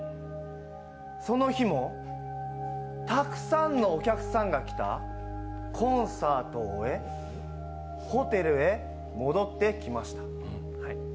その日もたくさんのお客さんが来たコンサートを終えホテルへ戻ってきました。